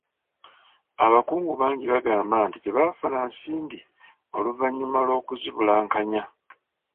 Abakungu bangi bagamba nti tebaafuna nsimbi oluvannyuma lw'okuzibulankanya.